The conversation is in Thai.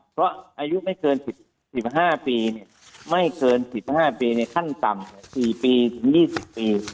เพราะอายุไม่เกิน๑๕ปีไม่เกิน๑๕ปีในขั้นต่ำ๔ปีถึง๒๐ปี